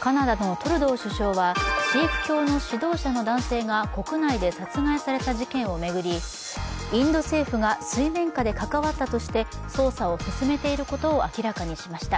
カナダのトルドー首相はシーク教の指導者の男性が国内で殺害された事件を巡りインド政府が水面下で関わったとして捜査を進めていることを明らかにしました。